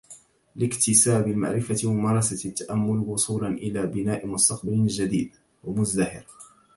لاكتساب المعرفة وممارسة التأمل وصولا إلى بناء مستقبل جديد ومزدهر